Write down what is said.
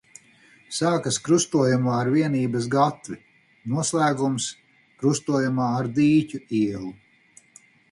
Sākas krustojumā ar Vienības gatvi, noslēgums – krustojumā ar Dīķa ielu.